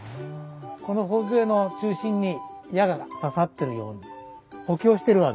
この頬杖の中心に矢が刺さってるように補強してるわけです。